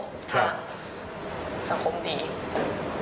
สังคมดี